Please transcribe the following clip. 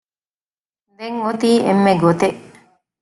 ދެން އޮތީ އެންމެ ގޮތެއް